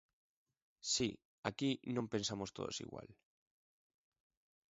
Si, aquí non pensamos todos igual.